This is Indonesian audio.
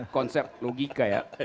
konsep logika ya